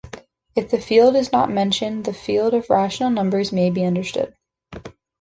If the field is not mentioned, the field of rational numbers may be understood.